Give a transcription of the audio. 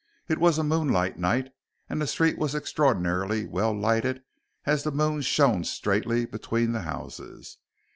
It was a moonlight night and the street was extraordinarily well lighted as the moon shone straightly between the houses.